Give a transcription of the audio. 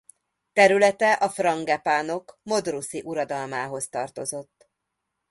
Területe a Frangepánok modrusi uradalmához tartozott.